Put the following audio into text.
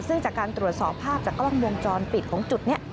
ซึ่งจากการตรวจสอบภาพจากกล้องวงจรปิดของจุดนี้